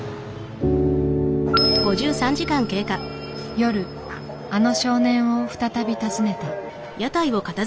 夜あの少年を再び訪ねた。